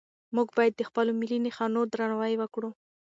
موږ باید د خپلو ملي نښانو درناوی وکړو.